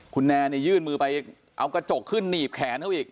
คุณแนนยื่นมือไปเอากระจกขึ้นหนีบแขนเขาอีก